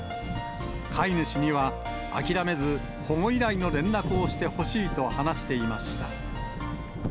飼い主には、諦めず保護依頼の連絡をしてほしいと話していました。